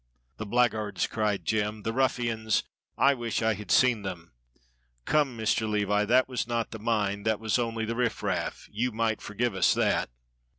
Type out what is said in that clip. "The blackguards," cried Jem, "the ruffians, I wish I had seen them. Come, Mr. Levi, that was not the mine; that was only the riffraff; you might forgive us that."